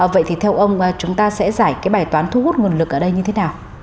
vậy thì theo ông chúng ta sẽ giải cái bài toán thu hút nguồn lực ở đây như thế nào